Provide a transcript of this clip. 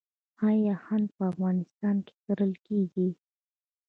آیا هنګ په افغانستان کې کرل کیږي؟